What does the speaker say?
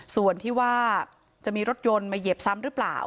ส่วนที่ว่าจะมีรถยนต์มาเหยียบซ้ำหรือเปล่า